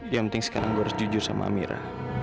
yang penting sekarang gue harus jujur sama amira